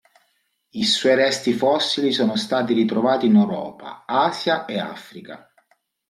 I suoi resti fossili sono stati ritrovati in Europa, Asia e Africa.